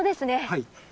はい。